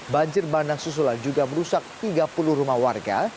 banjir bandang susulan juga merusak tiga puluh rumah warga